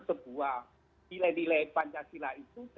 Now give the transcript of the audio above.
sebuah nilai nilai pancasila itu